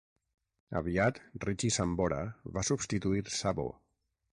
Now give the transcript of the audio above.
Aviat Richie Sambora va substituir Sabo.